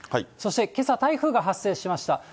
そしてけさ、台風が発生しました。